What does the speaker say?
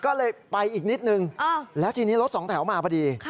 ก็เลยไปอีกนิดนึงแล้วทีนี้รถสองแถวมาพอดี